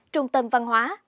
trung tâm văn hóa